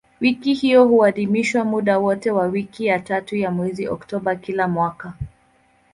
Wiki hiyo huadhimishwa muda wote wa wiki ya tatu ya mwezi Oktoba kila mwaka.